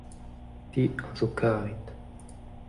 te a zo karet.